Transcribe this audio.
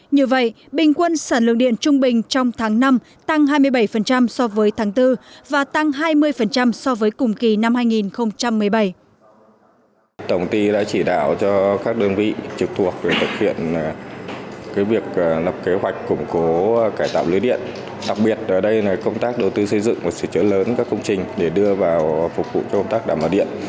như vậy bình quân sản lượng điện trung bình trong tháng năm tăng hai mươi bảy so với tháng bốn và tăng hai mươi so với cùng kỳ năm hai nghìn một mươi bảy